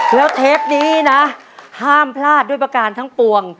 แล้วเทปนี้นะห้ามพลาดด้วยประการทั้งปวง